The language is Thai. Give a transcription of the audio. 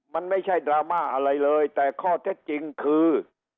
มันไม่ใช่ดราม่าอะไรเลยแต่ข้อเท็จจริงคือ